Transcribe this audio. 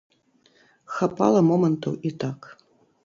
Хапала момантаў і так.